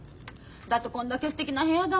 だってこんだけすてきな部屋だもん。